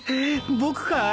僕かい？